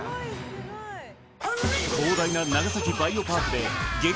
広大な長崎バイオパークで激